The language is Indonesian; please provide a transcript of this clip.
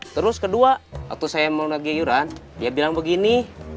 terus kedua waktu saya mau ngegayuran dia bilang begini